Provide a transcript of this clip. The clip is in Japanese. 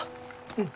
うん。